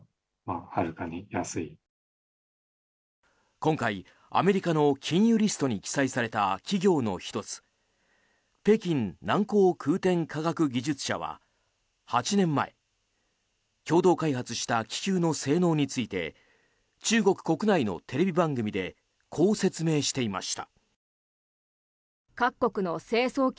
今回、アメリカの禁輸リストに記載された企業の１つ北京南江空天科学技術社は８年前共同開発した気球の性能について中国国内のテレビ番組でこう説明していました。